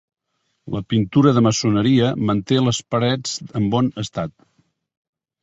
La pintura de maçoneria manté les parets en bon estat.